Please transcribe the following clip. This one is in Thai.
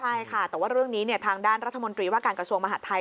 ใช่ค่ะแต่ว่าเรื่องนี้ทางด้านรัฐมนตรีว่าการกระทรวงมหาดไทย